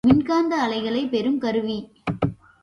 மின்காந்த அலைகளைப் பெறும் கருவி.